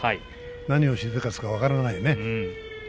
何をしでかすか分からないね。